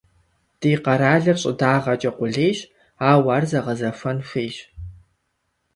Ди къэралыр щӀыдагъэкӀэ къулейщ, ауэ ар зэгъэзэхуэн хуейщ.